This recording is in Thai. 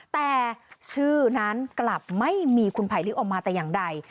แต่ชื่อนั้นกลับไม่มีคุณไผลลิกออกมาแต่อย่างใด